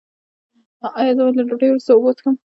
ایا زه باید له ډوډۍ وروسته اوبه وڅښم؟